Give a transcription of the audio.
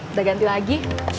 udah ganti lagi